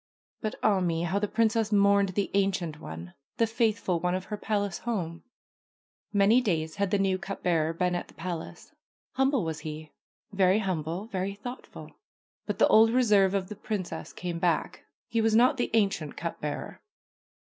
But ah me ! how the princess mourned the ancient one, the faithful one of her palace home ! Many days had the new cup bearer been at the palace. Humble was he, very humble, very thoughtful. But the THE PRINCESS AND THE CUP BEARER 55 old reserve of the princess came back; he was not the ancient cup bearer.